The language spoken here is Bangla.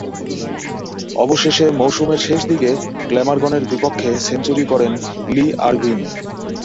অবশেষে মৌসুমের শেষ দিকে গ্ল্যামারগনের বিপক্ষে সেঞ্চুরি করেন লি আরভিন।